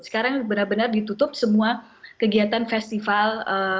sekarang benar benar ditutup semua kegiatan festival